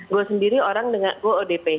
gue sendiri orang dengar gue odp